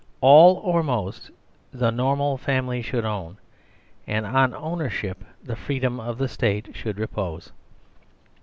All, or most, the normal family should own. And on ownership the freedom of the State should repose.